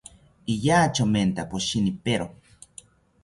Iya chomenta poshinipero